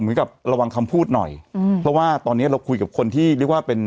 กับระวังคำพูดหน่อยอืมเพราะว่าตอนเนี้ยเราคุยกับคนที่เรียกว่าเป็น